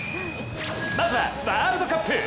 まずはワールドカップ。